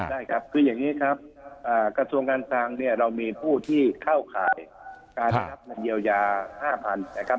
ได้ครับคืออย่างนี้ครับกระทรวงการคลังเนี่ยเรามีผู้ที่เข้าข่ายการได้รับเงินเยียวยา๕๐๐๐นะครับ